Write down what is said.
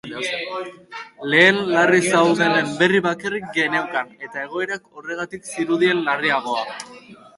Lehen, larri zeudenen berri bakarrik geneukan, eta egoerak horregatik zirudien larriagoa.